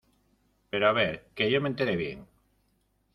pero a ver, que yo me entere bien.